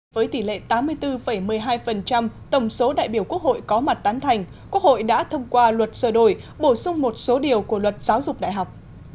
với tỷ lệ tám mươi bốn một mươi hai tổng số đại biểu quốc hội có mặt tán thành quốc hội đã thông qua luật sửa đổi bổ sung một số điều của luật giáo dục đại học